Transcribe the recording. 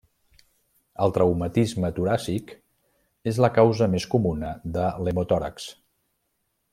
El traumatisme toràcic és la causa més comuna de l'hemotòrax.